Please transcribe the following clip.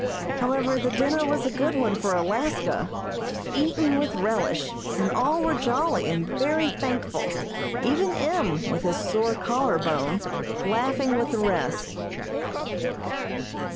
However, the dinner was a good one for Alaska, eaten with relish, and all were jolly and very thankful, even M., with his sore collar bone, laughing with the rest.